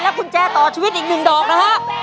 แล้วกุญแจต่อชีวิตอีกหนึ่งดอกนะฮะ